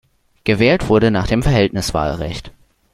Gewählt wurde nach dem Verhältniswahlrecht.